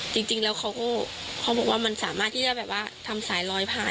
จริงแล้วเขาบอกว่ามันสามารถที่จะทำสายลอยผ่าน